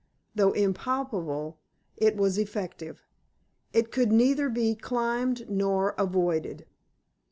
Though impalpable, it was effective. It could neither be climbed nor avoided.